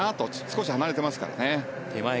少し離れていますからね。